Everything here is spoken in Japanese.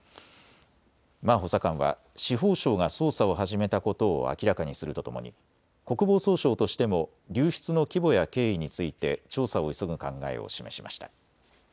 マー補佐官は司法省が捜査を始めたことを明らかにするとともに国防総省としても流出の規模や経緯について調査を急ぐ考えを示しました。